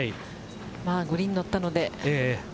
グリーンにのったので。